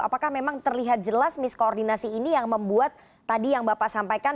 apakah memang terlihat jelas miskoordinasi ini yang membuat tadi yang bapak sampaikan